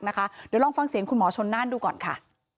เดี๋ยวลองฟังเสียงคุณหมอชนน่านดูก่อนค่ะ